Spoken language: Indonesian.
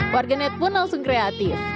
warganet pun langsung kreatif